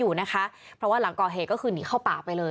อยู่นะคะเพราะว่าหลังก่อเหตุก็คือหนีเข้าป่าไปเลย